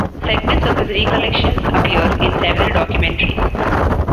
Segments of his recollections appear in several documentaries.